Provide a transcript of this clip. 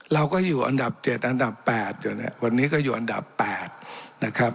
เราก็อยู่อันดับ๗อันดับ๘อยู่เนี่ยวันนี้ก็อยู่อันดับ๘นะครับ